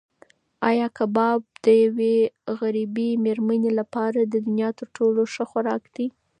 ایا کباب د یوې غریبې مېرمنې لپاره د دنیا تر ټولو ښه خوراک دی؟